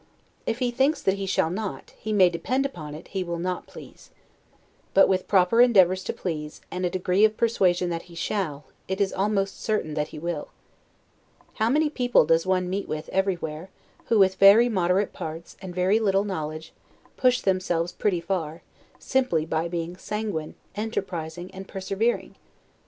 If he thinks that he shall not, he may depend upon it he will not please. But with proper endeavors to please, and a degree of persuasion that he shall, it is almost certain that he will. How many people does one meet with everywhere, who, with very moderate parts, and very little knowledge, push themselves pretty far, simply by being sanguine, enterprising, and persevering?